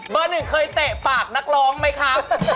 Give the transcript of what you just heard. หนึ่งเคยเตะปากนักร้องไหมครับ